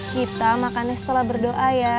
kita makannya setelah berdoa ya